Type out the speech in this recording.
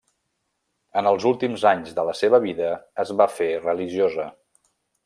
En els últims anys de la seva vida es va fer religiosa.